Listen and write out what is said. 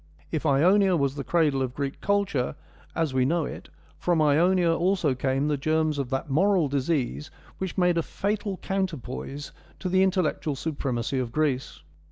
If Ionia was the cradle of Greek culture, as we know 50 FEMINISM IN GREEK LITERATURE it, from Ionia also came the germs of that moral disease which made a fatal counterpoise to the intellectual supremacy of Greece.